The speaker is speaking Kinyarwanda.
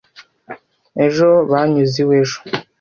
Ejo banyuze iwe ejo.